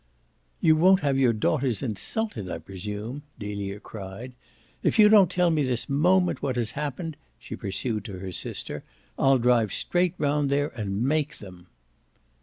"You won't have your daughters insulted, I presume!" Delia cried. "If you don't tell me this moment what has happened," she pursued to her sister, "I'll drive straight round there and make THEM."